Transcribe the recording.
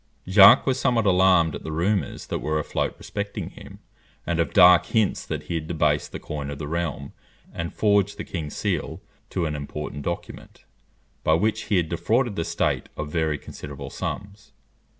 Jacques was somewhat alarmed at the rumours that were afloat respecting him, and of dark hints that he had debased the coin of the realm and forged the king's seal to an important document, by which he had defrauded the state of very considerable sums.